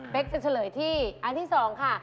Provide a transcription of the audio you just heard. เป็นจะเฉลยที่อันที่๒ค่ะ